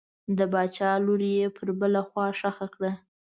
د باچا لور یې پر بله خوا ښخه کړه.